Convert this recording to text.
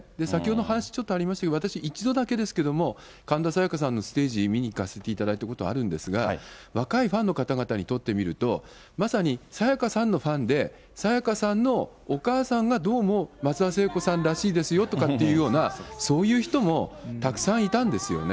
先ほどの話、ちょっとありましたけれども、私一度だけですけれども、神田沙也加さんのステージを見に行かせてもらったことがあるんですが、若いファンの方にとってみると、まさに沙也加さんのファンで、沙也加さんのお母さんがどうも松田聖子さんらしいですよっていうような、そういう人もたくさんいたんですよね。